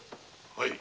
はい。